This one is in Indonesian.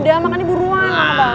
udah makanya buruan